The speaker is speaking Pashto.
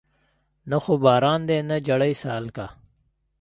نه خو باران دی نه جړۍ سالکه